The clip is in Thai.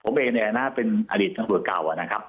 ผมเองเนี่ยนะเป็นอดีตตำรวจเก่านะครับ